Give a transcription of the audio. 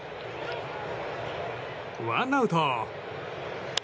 ワンアウト。